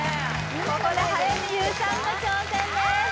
ここで早見優さんの挑戦です